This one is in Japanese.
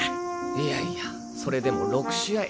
いやいやそれでも６試合。